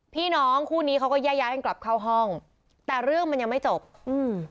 พี่น้องคู่นี้เขาก็แยกย้ายกันกลับเข้าห้องแต่เรื่องมันยังไม่จบอืม